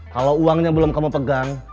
kalau uangnya belum kamu pegang